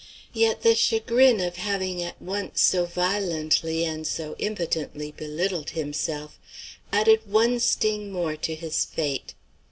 Yet the chagrin of having at once so violently and so impotently belittled himself added one sting more to his fate.